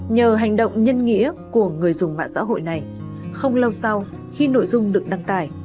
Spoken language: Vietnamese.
nhờ hành động nhân nghĩa của người dùng mạng xã hội này không lâu sau khi nội dung được đăng tải